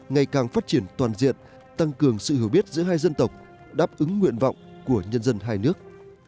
ngày càng phát triển toàn diện tăng cường sự hiểu biết giữa hai dân tộc đáp ứng nguyện vọng của nhân dân hai nước